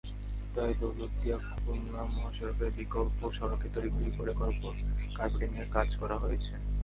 তাই দৌলতদিয়া-খুলনা মহাসড়কের বিকল্প সড়কে তড়িঘড়ি করে কার্পেটিংয়ের কাজ করা হয়েছে।